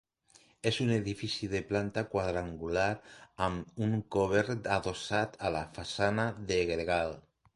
És un edifici de planta quadrangular amb un cobert adossat a la façana de gregal.